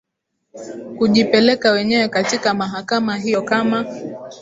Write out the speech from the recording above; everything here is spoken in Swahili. kujipeleka wenyewe katika mahakama hiyo kama